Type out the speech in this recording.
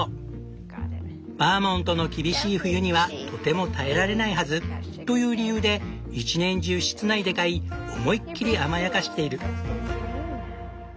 バーモントの厳しい冬にはとても耐えられないはずという理由で一年中室内で飼い思いっきり甘やかしている。